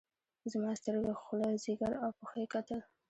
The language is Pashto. زما سترګې خوله ځيګر او پښه يې کتل.